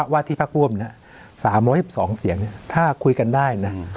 ว่าที่พรรคร่วมเนี่ย๓๒๒เสียงถ้าคุยกันได้นะ